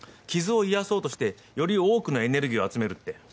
傷を癒やそうとしてより多くのエネルギーを集めるって。